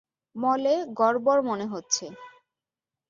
মলে গড়বড় মনে হচ্ছে।